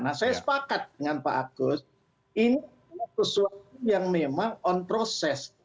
nah saya sepakat dengan pak agus ini adalah sesuatu yang memang on process